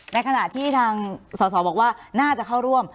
ในขณะที่ทางสอสอบอกว่าน่าจะเข้าร่วม